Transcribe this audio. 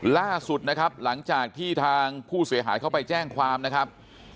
ล่าสุดนะครับหลังจากที่ทางผู้เสียหายเข้าไปแจ้งความนะครับ